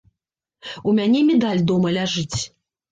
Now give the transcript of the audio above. У мяне медаль дома ляжыць.